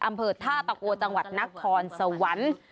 อำเภอท่าตะโกจังหวัดนครสวรรค์